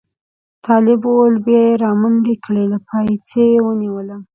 طالب وویل بیا یې را منډې کړې له پایڅې یې ونیولم.